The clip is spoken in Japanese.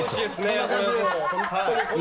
こんな感じですはい。